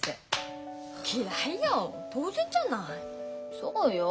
そうよ。